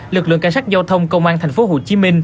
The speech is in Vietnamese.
lực lượng cảnh sát giao thông công an tp hcm